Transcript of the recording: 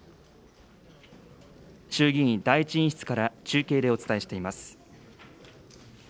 衆議院第１委員室から中継でお伝えしています。